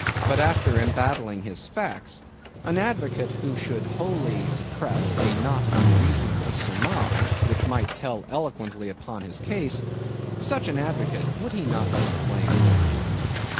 But after embattling his facts, an advocate who should wholly suppress a not unreasonable surmise, which might tell eloquently upon his cause—such an advocate, would he not be blameworthy?